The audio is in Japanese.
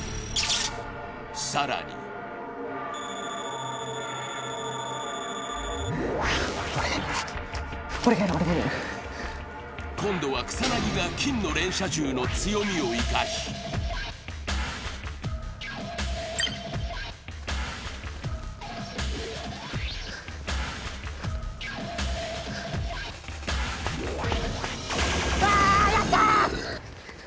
更に今度は草薙が金の連射銃の強みを生かしやったー！